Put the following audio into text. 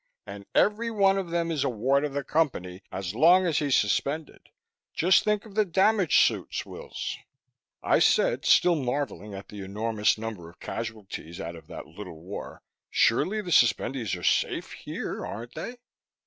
And every one of them is a ward of the Company as long as he's suspended. Just think of the damage suits, Wills." I said, still marveling at the enormous number of casualties out of that little war, "Surely the suspendees are safe here, aren't they?"